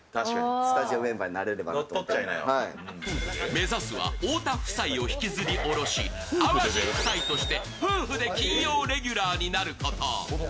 目指すは太田夫妻を引きずり下ろし淡路夫妻として夫婦で金曜レギュラーになること。